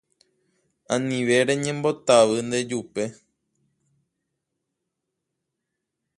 Anive reñembotavy ndejupe